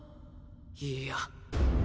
いいや。